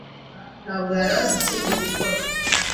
ntabwo yari azi ikindi gukora.